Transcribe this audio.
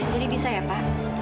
jadi bisa ya pak